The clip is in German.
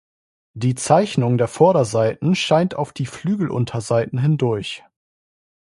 Die Zeichnung der Vorderseiten scheint auf die Flügelunterseiten hindurch.